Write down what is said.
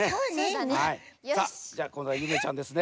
さあじゃこんどはゆめちゃんですね。